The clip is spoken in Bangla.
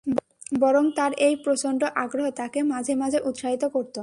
বরং তাঁর এই প্রচণ্ড আগ্রহ তাঁকে মাঝে মাঝে উৎসাহিত করত।